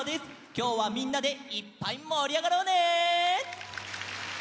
きょうはみんなでいっぱいもりあがろうね！